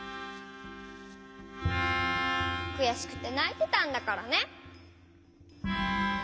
くやしくてないてたんだからね。